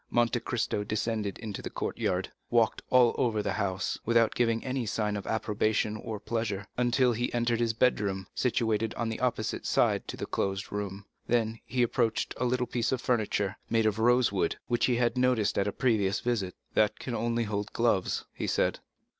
Monte Cristo descended into the courtyard, walked all over the house, without giving any sign of approbation or pleasure, until he entered his bedroom, situated on the opposite side to the closed room; then he approached a little piece of furniture, made of rosewood, which he had noticed at a previous visit. "That can only be to hold gloves," he said.